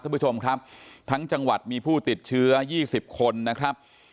ท่านผู้ชมครับทั้งจังหวัดมีผู้ติดเชื้อ๒๐คนนะครับ